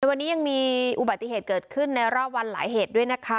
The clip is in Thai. วันนี้ยังมีอุบัติเหตุเกิดขึ้นในรอบวันหลายเหตุด้วยนะคะ